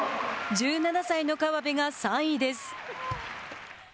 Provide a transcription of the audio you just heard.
１７歳の河辺が３位です。